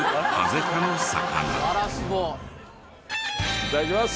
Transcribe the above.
いただきます。